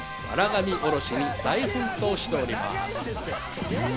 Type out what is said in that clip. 神降ろしに大奮闘しております。